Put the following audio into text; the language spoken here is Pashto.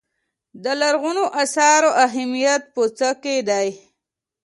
د لرغونو اثارو اهمیت په څه کې دی.